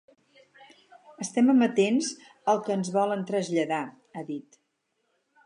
Estem amatents al que ens volen traslladar, ha dit.